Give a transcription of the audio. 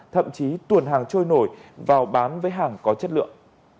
thậm chí tuồn hàng trôi nổi vào bán với hàng có chất lượng